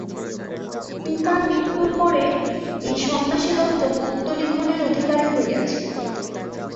পিতার মৃত্যুর পরে সে এই সন্ন্যাসীদত্ত গুপ্তলিখনের অধিকারী হইয়াছে।